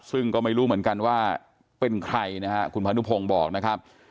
ซึ่งก็ไม่รู้เหมือนกันว่าเป็นใครนะฮะคุณพานุพงศ์บอกนะครับ